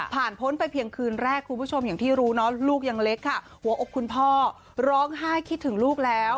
พ้นไปเพียงคืนแรกคุณผู้ชมอย่างที่รู้เนาะลูกยังเล็กค่ะหัวอกคุณพ่อร้องไห้คิดถึงลูกแล้ว